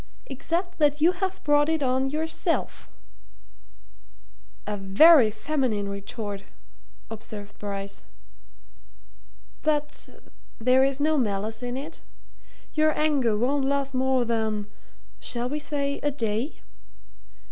"Except that you have brought it on yourself." "A very feminine retort!" observed Bryce. "But there is no malice in it? Your anger won't last more than shall we say a day?"